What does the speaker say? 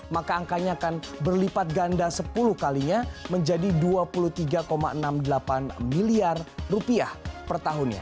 maka angkanya akan berlipat ganda sepuluh kalinya menjadi rp dua puluh tiga enam puluh delapan miliar rupiah per tahunnya